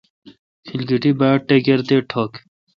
کھلکیٹی باڑٹکَِر تے ٹھو°گ ۔